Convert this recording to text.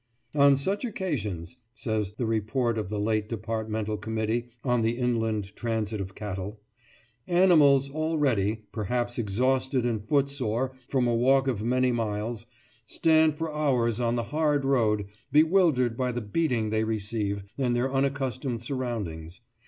"On such occasions," says the Report of the late Departmental Committee on the Inland Transit of Cattle, "animals already, perhaps, exhausted and foot sore from a walk of many miles, stand for hours on the hard road, bewildered by the beating they receive and their unaccustomed surroundings....